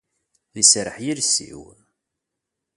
Iserreḥ yiles-iw.